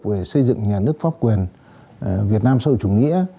về xây dựng nhà nước pháp quyền việt nam sâu chủ nghĩa